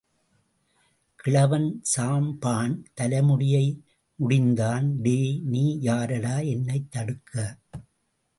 கிழவன் சாம்பான் தலைமுடியை முடிந்தான் டேய்... நீ யாருடா என்னைத் தடுக்க!.